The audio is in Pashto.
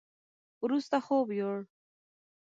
وروسته خوب يوووړ.